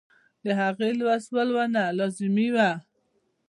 د هغې لوست ورله لازمي وۀ -